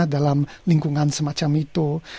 dalam lingkungan semacam itu